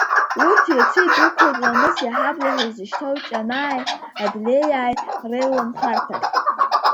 Урҭ иацы идәықәлеит ламыс иҳабла ҳәа изышьҭоу Ҷанааи Адлеиааи реиланхарҭахь.